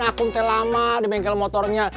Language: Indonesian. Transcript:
akun telama di bengkel motornya